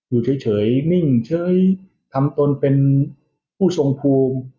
อยู่เฉยนิ่งเฉยทำตนเป็นผู้ทรงภูมิ